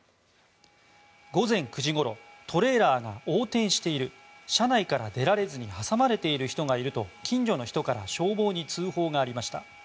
午前９時ごろトレーラーが横転している車内から出られずに挟まれている人がいると近所の人から消防に通報がありました。